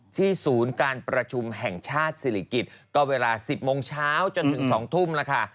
ศูนย์การประชุมแห่งชาติศิริกิจก็เวลา๑๐โมงเช้าจนถึง๒ทุ่มแล้วค่ะ